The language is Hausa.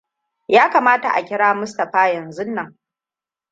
Ya kamata a kira Mustapha yanzun nan.